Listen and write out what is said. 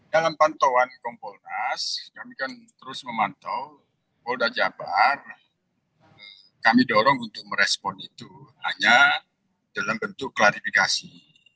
dalam pantauan kompolnas kami kan terus memantau polda jabar kami dorong untuk merespon itu hanya dalam bentuk klarifikasi